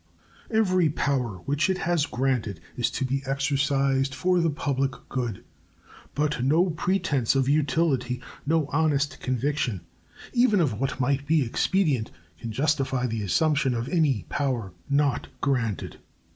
Every power which it has granted is to be exercised for the public good; but no pretense of utility, no honest conviction, even, of what might be expedient, can justify the assumption of any power not granted.